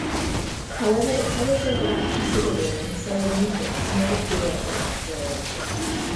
However, the colors overlap considerably and so are muted, never pure or saturated.